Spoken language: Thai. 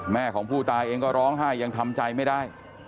แม่ของผู้ตายเองก็ร้องไห้ยังทำใจไม่ได้